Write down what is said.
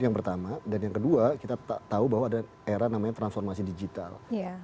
yang pertama dan yang kedua kita tahu bahwa ada era namanya transformasi digital